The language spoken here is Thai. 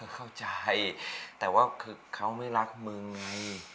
เข้าใจแต่ว่าคือเขาไม่รักมึงไง